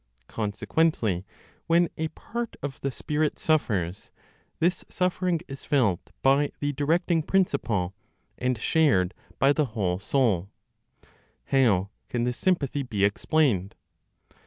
Consequently, when a part of the spirit suffers, this suffering is felt by the directing principle, and shared by the whole soul. How can this sympathy be explained?